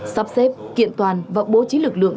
sắp xếp kiện toàn và bố trí lực lượng